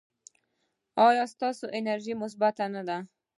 ایا ستاسو انرژي مثبت نه ده؟